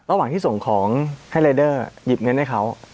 ระหว่างที่ส่งของให้รายเดอร์หยิบเงินให้เขา